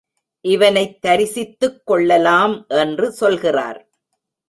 இவனைத் தரிசித்துக் கொள்ளலாம் என்று சொல்கிறார்.